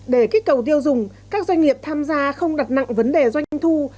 để kích cầu tiêu dùng các doanh nghiệp tham gia không đặt nặng vấn đề doanh thu